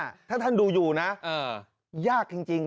พี่เบิร์ทท่านดูอยู่นะยากจริง